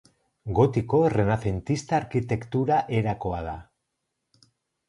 Gotiko Errenazentista arkitektura erakoa da.